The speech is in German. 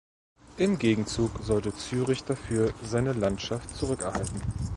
Im Gegenzug sollte Zürich dafür seine Landschaft zurückerhalten.